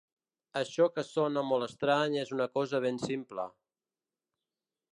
Això que sona molt estrany és una cosa ben simple.